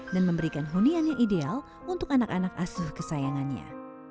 dan memberikan hunian yang ideal untuk anak anak asuh kesayangannya